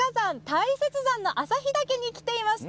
大雪山の旭岳に来ています。